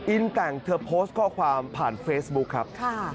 อินแต่งเธอโพสต์ข้อความผ่านเฟซบุ๊คครับ